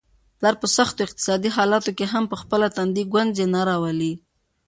پلار په سختو اقتصادي حالاتو کي هم په خپل تندي ګونجې نه راولي.